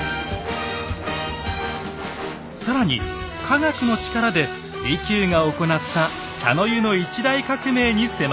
更に科学の力で利休が行った茶の湯の一大革命に迫ります。